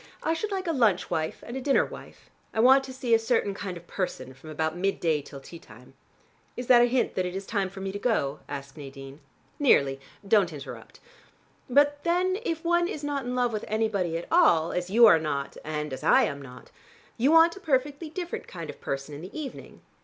"I should like a lunch wife and a dinner wife. I want to see a certain kind of person from about mid day till tea time." "Is that a hint that it is time for me to go?" asked Nadine. "Nearly. Don't interrupt. But then, if one is not in love with anybody at all, as you are not, and as I am not, you want a perfectly different kind of person in the evening.